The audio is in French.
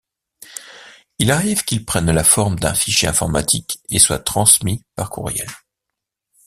Il arrive qu'il prenne la forme d'un fichier informatique et soit transmis par courriel.